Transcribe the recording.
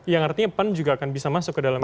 yang artinya pan juga akan bisa masuk ke dalam